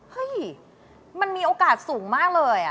เฮ้ยมันมีโอกาสสูงมากเลย